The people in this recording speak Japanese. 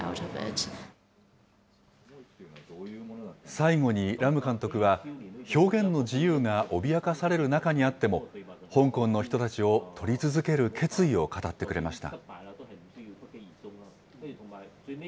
最後にラム監督は、表現の自由が脅かされる中にあっても、香港の人たちを撮り続ける決意を語ってくれました。